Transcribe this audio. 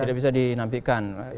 tidak bisa tidak bisa dinafikan